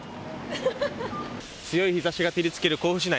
強い日ざしが照りつける甲府市内。